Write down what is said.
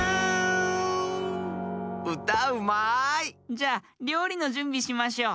じゃりょうりのじゅんびしましょう。